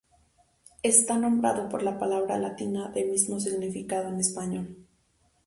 Está nombrado por la palabra latina de mismo significado en español.